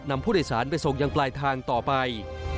นำผู้โดยสารไปส่งยังปลายทางต่อไป